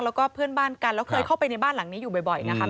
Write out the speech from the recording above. แล้วก็เพื่อนบ้านกันแล้วเคยเข้าไปในบ้านหลังนี้อยู่บ่อยนะคะ